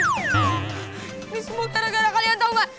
ini semua karena kalian tau gak